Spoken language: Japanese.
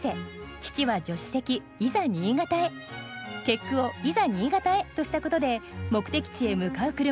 結句を「いざ新潟へ」としたことで目的地へ向かう車